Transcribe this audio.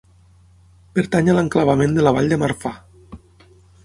Pertany a l'enclavament de la vall de Marfà.